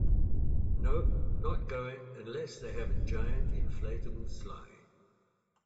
Nope, not going unless they have a giant inflatable slide.